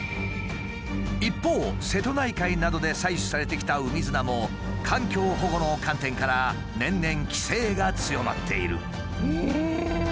一方瀬戸内海などで採取されてきた海砂も環境保護の観点から年々規制が強まっている。